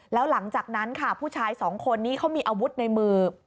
แล้วหลังจากนั้นค่ะผู้ชายสองคนนี้เขามีอาวุธในมือ